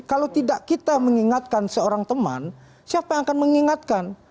kalau tidak kita mengingatkan seorang teman siapa yang akan mengingatkan